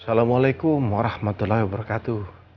assalamualaikum warahmatullahi wabarakatuh